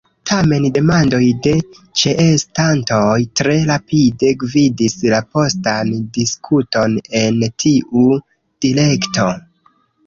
Tamen demandoj de ĉeestantoj tre rapide gvidis la postan diskuton en tiu direkto.